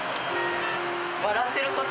笑ってること。